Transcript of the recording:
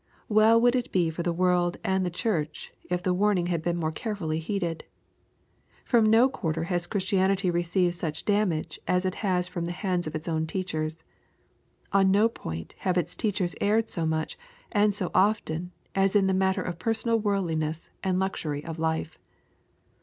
Well would it be for the world and the Church if the warn ing had been more carefully heeded' 1 Prom no quarter has Christianity received such damage as it has from the hands of its own teachers. On no point have its teachers erred so much, and so often, as in the matter of personal worldliness and luxury of life.